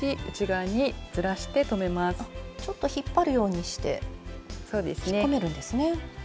ちょっと引っ張るようにして引っ込めるんですね。